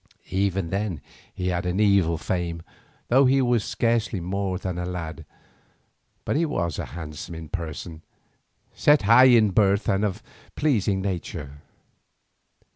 Even then he had an evil fame, though he was scarcely more than a lad, but he was handsome in person, set high in birth, and of a pleasing manner.